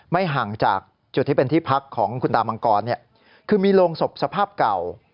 ห่างจากจุดที่เป็นที่พักของคุณตามังกรคือมีโรงศพสภาพเก่า